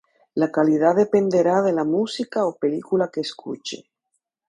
La calidad dependerá de la música o película que escuche.